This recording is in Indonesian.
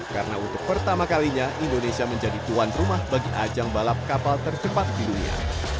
karena untuk pertama kalinya indonesia menjadi tuan rumah bagi ajang balap kapal tercepat di dunia